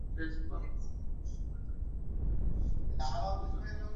দ্বেষভাব অবশ্য পরিত্যাজ্য, তাহা হইলেও ইষ্টনিষ্ঠা প্রয়োজন।